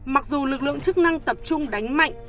mặc dù lực lượng chức năng tập trung đánh mạnh